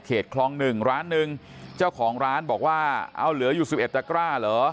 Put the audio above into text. เขตโครงใน๑ร้านเจ้าของร้านบอกว่าเอาเหลืออยู่๑๐ต่อกราหรอ